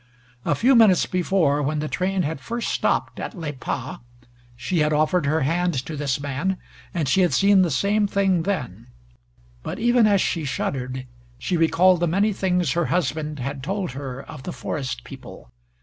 A few minutes before, when the train had first stopped at Les Pas, she had offered her hand to this man and she had seen the same thing then. But even as she shuddered she recalled the many things her husband had told her of the forest people.